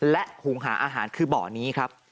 และหุงหาอาหารคือบ่อนี้ครับ